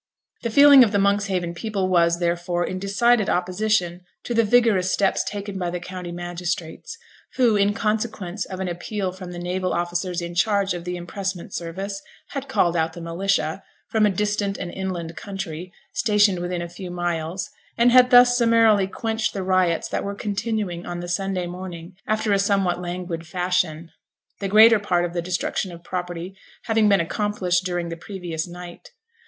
The feeling of the Monkshaven people was, therefore, in decided opposition to the vigorous steps taken by the county magistrates, who, in consequence of an appeal from the naval officers in charge of the impressment service, had called out the militia (from a distant and inland county) stationed within a few miles, and had thus summarily quenched the riots that were continuing on the Sunday morning after a somewhat languid fashion; the greater part of the destruction of property having been accomplished during the previous night.